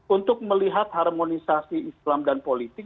untuk melihat harmonisasi islam dan politik